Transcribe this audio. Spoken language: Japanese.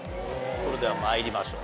それでは参りましょう。